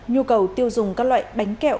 nhu cầu tiêu dùng các loại bánh kẹo